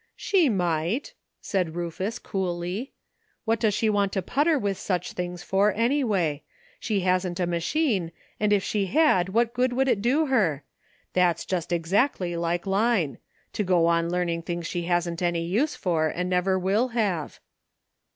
" 256 LEARNING. '* She might," said Rufus coolly ; "what does she want to putter with such things for, any way? She hasn't a machine, and if she had what good would it do her? That's just ex actly like Line ; to go on learning things she hasn't any use for, and never will have."